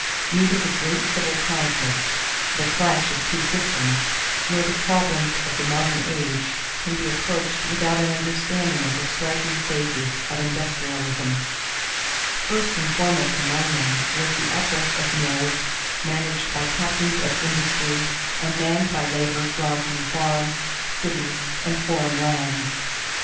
Neither the great civil conflict the clash of two systems nor the problems of the modern age can be approached without an understanding of the striking phases of industrialism. [Illustration: A NEW ENGLAND MILL BUILT IN 1793] First and foremost among them was the uprush of mills managed by captains of industry and manned by labor drawn from farms, cities, and foreign lands.